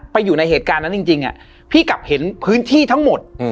อยู่ในเหตุการณ์นั้นจริงพี่กลับเห็นพื้นที่ทั้งหมด